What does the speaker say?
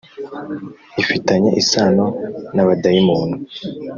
ifitanye isano n abadayimoni.